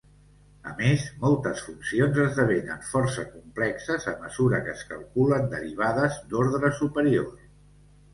A més, moltes funcions esdevenen força complexes a mesura que es calculen derivades d'ordre superior.